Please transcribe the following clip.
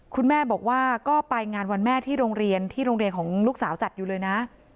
คุณแม่บอกว่าก็ไปงานวันแม่ที่โรงเรียนที่โรงเรียนของลูกสาวจัดอยู่เลยนะ